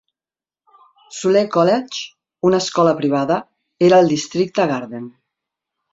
Soulé College, una escola privada, era al districte Garden.